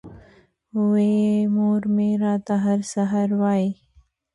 وې ئې مور مې راته هر سحر وائي ـ